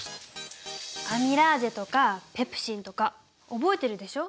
アミラーゼとかペプシンとか覚えてるでしょ？